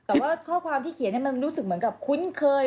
แต่ว่าข้อความที่เขียนมันรู้สึกเหมือนกับคุ้นเคย